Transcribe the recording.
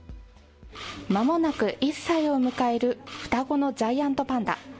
まもなく１歳を迎える双子のジャイアントパンダ。